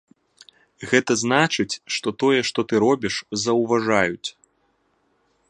Гэта значыць, што тое, што ты робіш, заўважаюць.